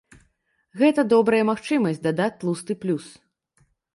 Гэта добрая магчымасць дадаць тлусты плюс.